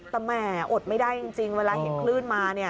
แต่แหมอดไม่ได้จริงเวลาเห็นคลื่นมา